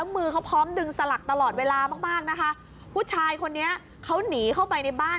มือเขาพร้อมดึงสลักตลอดเวลามากมากนะคะผู้ชายคนนี้เขาหนีเข้าไปในบ้าน